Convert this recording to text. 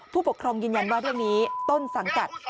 ผู้ปกครองยืนยันว่าเรื่องนี้ต้นสังกัด